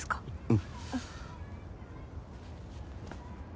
うん。